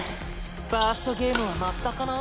ファーストゲームは松田かな。